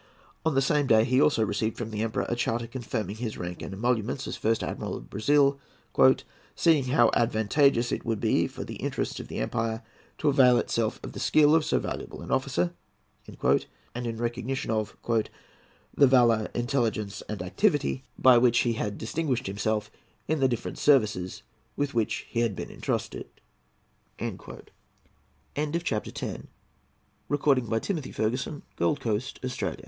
On the same day he also received from the Emperor a charter confirming his rank and emoluments as First Admiral of Brazil, "seeing how advantageous it would be for the interests of this empire to avail itself of the skill of so valuable an officer," and in recognition of "the valour, intelligence, and activity by which he had distinguished himself in the different services with which he had been entrusted." CHAPTER XI. THE NATURE OF THE REWARDS BESTOWED ON LORD COCHRANE FOR HIS FIRST SERVICES TO BRAZIL.—PEDRO I. AND THE PORTU